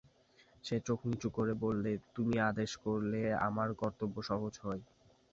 সে চোখ নিচু করে বললে, তুমি আদেশ করলে আমার কর্তব্য সহজ হয়।